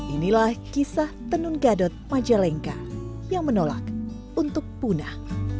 inilah kisah tenun gadot majalengka yang menolak untuk punah